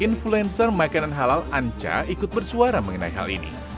influencer makanan halal anca ikut bersuara mengenai hal ini